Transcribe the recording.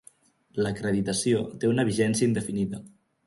L'acreditació té una vigència indefinida.